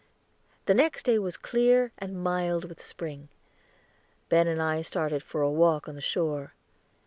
The next day was clear, and mild with spring. Ben and I started for a walk on the shore.